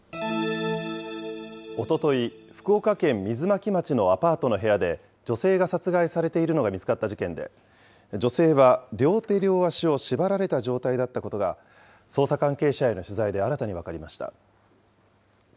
おととい、福岡県水巻町のアパートの部屋で、女性が殺害されているのが見つかった事件で、女性は、両手両足を縛られた状態だったことが、捜査関係者への取材で新たに分かりました。